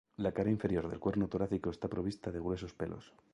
La cara inferior del cuerno torácico está provista de gruesos pelos.